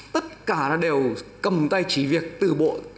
tất cả nó đều cầm tay chỉ việc từ bộ